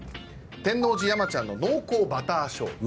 「天王寺やまちゃん」の濃厚バター醤油。